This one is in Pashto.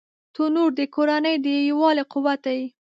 تنور د کورنۍ د یووالي قوت دی